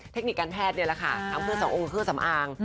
เทคนิคการแพทย์นี่แหละค่ะทำเพื่อสององค์เครื่องสำอาง